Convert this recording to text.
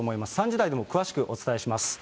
３時台でも詳しくお伝えします。